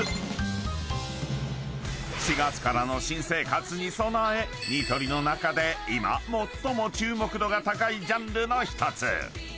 ［４月からの新生活に備えニトリの中で今最も注目度が高いジャンルの１つ］